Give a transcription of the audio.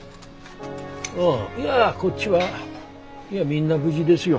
ああいやこっちはみんな無事ですよ。